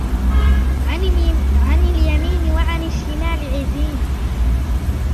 عَنِ الْيَمِينِ وَعَنِ الشِّمَالِ عِزِينَ